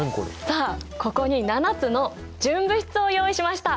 さあここに７つの純物質を用意しました。